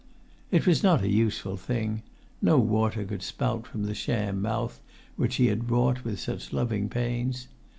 It was not a useful thing: no water could spout from the sham mouth which he had wrought with loving pains.